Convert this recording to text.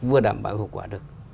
vừa đảm bảo hiệu quả được